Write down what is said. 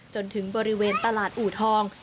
จนถึงบริเวณตลาดอูทอง